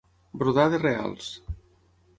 Brodar de reals.